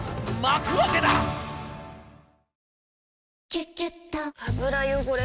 「キュキュット」油汚れ